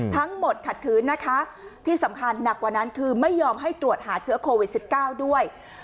ขัดคืนนะคะที่สำคัญหนักกว่านั้นคือไม่ยอมให้ตรวจหาเชื้อโควิด๑๙ด้วย